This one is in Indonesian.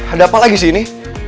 ada apa lagi sih ini